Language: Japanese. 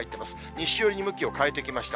西寄りに向きを変えてきました。